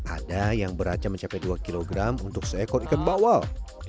ada yang beratnya mencapai dua kg untuk seekor ikan bawal